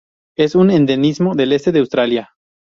Es un endemismo del este de Australia.